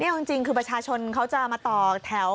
เอาจริงคือประชาชนเขาจะมาต่อแถว